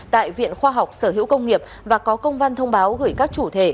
tại viện khoa học sở hữu công nghiệp và có công văn thông báo gửi các chủ thể